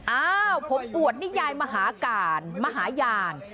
อ้าวผมอวดนิยายมหากาลมหาญาณ